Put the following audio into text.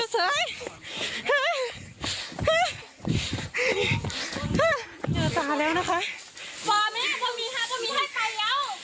หยุดเผย